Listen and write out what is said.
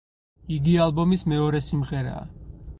იგი ალბომის მეორე სიმღერაა.